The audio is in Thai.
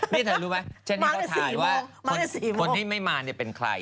พี่ไทยรู้ไหมฉันนี่เขาถ่ายว่าคนที่ไม่มาลิฟท์จะเป็นใคร